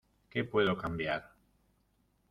que puedo cambiar.